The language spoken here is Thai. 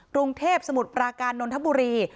กรุงเทพสมุทรปราการนนทบุรี